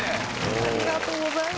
ありがとうございます。